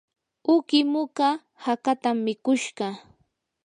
uqi muka hakatam mikushqa.